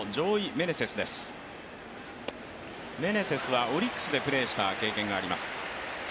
メネセスはオリックスでプレーした経験があります。